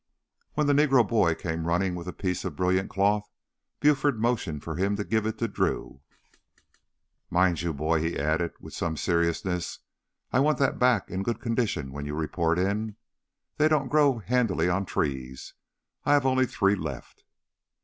When the Negro boy came running with the piece of brilliant cloth, Buford motioned for him to give it to Drew. "Mind you, boy," he added with some seriousness, "I want that back in good condition when you report in. Those don't grow handily on trees. I have only three left."